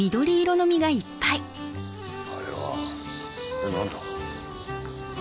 あれはあれ何だ？